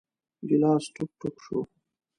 ګیلاس ټوک ، ټوک شو .